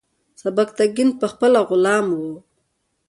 سبکتیګن پخپله غلام و.